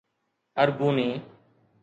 ارگوني